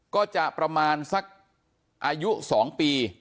ก็จะประมาณสักอายุ๒ปี